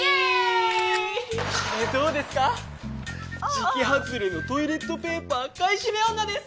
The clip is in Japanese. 時期外れのトイレットペーパー買い占め女です！